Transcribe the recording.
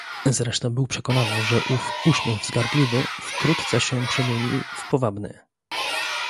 "Zresztą był przekonany, że ów uśmiech wzgardliwy wkrótce się przemieni w powabny."